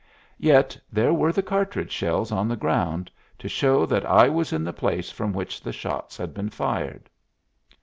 Yet there were the cartridge shells on the ground, to show that I was in the place from which the shots had been fired.